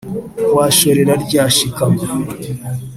wa shorera rya shikama